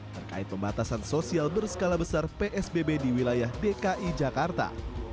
terkait pembatasan sosial berskala besar psbb di wilayah dki jakarta